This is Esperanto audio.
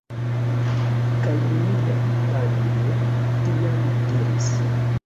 Kaj mia panjo tiam diris: